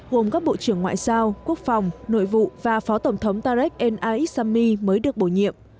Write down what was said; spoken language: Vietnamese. gồm các bộ trưởng ngoại giao quốc phòng nội vụ và phó tổng thống tarek el a isami mới được bổ nhiệm